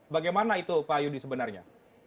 bagaimana itu pak yudi sebenarnya